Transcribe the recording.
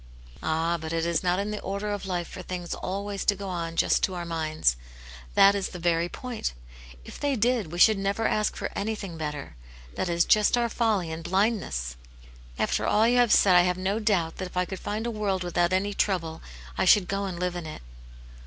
" Ah, but it is not in the order of life for things always to go on just to our minds. That is the very point. If they did, we should never ask for anything better. That is just our folly and blindness." "After all you have said I have no doubt that if I could find a world without any trouble, I should go and live in it."